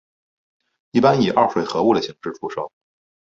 一般以二水合物的形式出售。